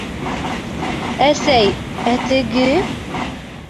Әсәй, ә теге...